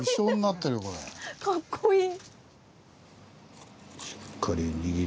かっこいい。